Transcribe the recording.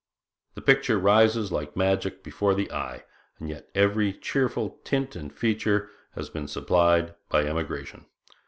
The picture rises like magic before the eye, and yet every cheerful tint and feature has been supplied by emigration.